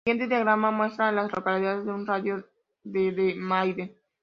El siguiente diagrama muestra a las localidades en un radio de de Maiden.